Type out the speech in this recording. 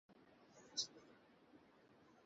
এখন কী অবস্থা?